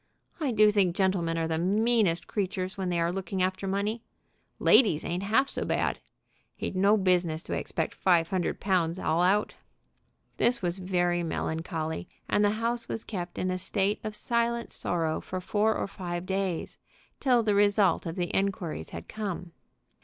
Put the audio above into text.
I do think gentlemen are the meanest creatures when they are looking after money! Ladies ain't half so bad. He'd no business to expect five hundred pounds all out." This was very melancholy, and the house was kept in a state of silent sorrow for four or five days, till the result of the inquiries had come.